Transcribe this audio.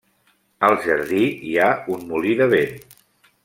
Al jardí hi ha un molí de vent.